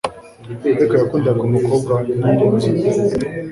Ariko yakundaga umukobwa wa nyirinzu pe